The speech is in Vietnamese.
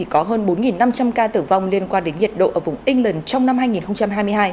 có hơn bốn năm trăm linh ca tử vong liên quan đến nhiệt độ ở vùng england trong năm hai nghìn hai mươi hai